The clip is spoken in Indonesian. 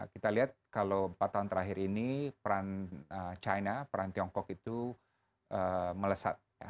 kita lihat kalau empat tahun terakhir ini peran china peran tiongkok itu melesat